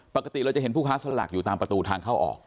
ปกติเราจะเห็นผู้ค้าสลากอยู่ตามประตูทางเข้าออก